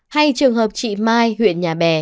hay trường hợp chị mai huyện nhà bè